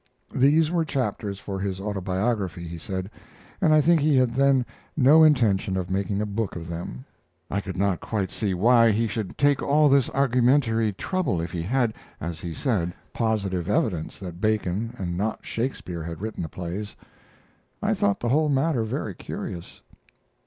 These were chapters for his autobiography, he said, and I think he had then no intention of making a book of them. I could not quite see why he should take all this argumentary trouble if he had, as he said, positive evidence that Bacon, and not Shakespeare, had written the plays. I thought the whole matter very curious.